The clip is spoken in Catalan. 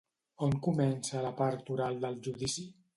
On comença la part oral del judici?